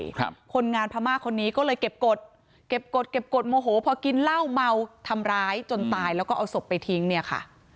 คนงานพม่าคนนี้ก็เลยเก็บกฎเก็บกฎเก็บกฎโมโหพอกินเหล้าเมาทำร้ายจนตายแล้วก็เอาศพไปทิ้งเนี่ยค่ะ